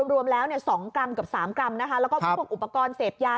รวมแล้ว๒กรัมเกือบ๓กรัมนะคะแล้วก็พวกอุปกรณ์เสพยา